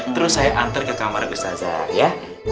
terus saya antar ke kamar ustazah ya